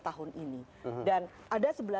tahun ini dan ada